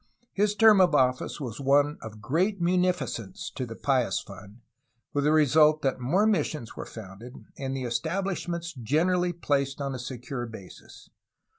His term of office was one of great munificence to the Pious Fund, with the result that more missions were founded and the establishments generally placed on a secure basis.